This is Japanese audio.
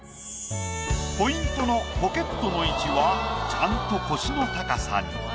ポイントのポケットの位置はちゃんと腰の高さに。